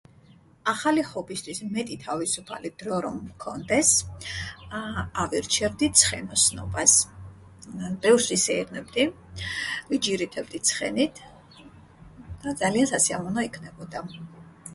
ახალი ჰობისთვის მეტი თავისუფალი დრო რომ მქონდეს, აა... ავირჩევდი ცხენოსნობას. ბევრს ვისეირნებდი, ვიჯირითებდი ცხენით და ძალიან სასიამოვნო იქნებოდა.